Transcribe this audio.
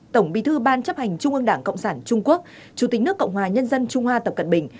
tổng bí thư ban chấp hành trung ương đảng cộng sản trung quốc chủ tịch nước cộng hòa nhân dân trung hoa tập cận bình